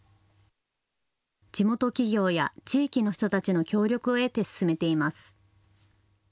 地元企業や地域の人たちの協力を得て進めています。